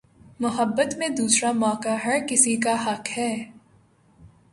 محبت میں دوسرا موقع ہر کسی کا حق ہے